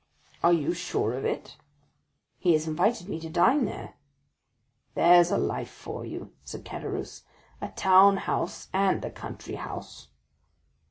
"Are you sure of it?" "He has invited me to dine there." "There's a life for you," said Caderousse; "a town house and a country house."